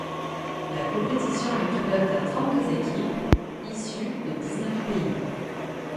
La compétition est ouverte à trente-deux équipes, issues de dix-neuf pays.